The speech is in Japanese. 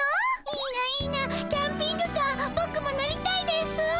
いいないいなキャンピングカーボクも乗りたいですぅ。